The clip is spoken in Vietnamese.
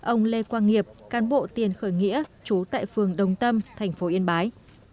ông lê quang nghiệp can bộ tiền khởi nghĩa chú tại phường đồng tâm thành phố yên bái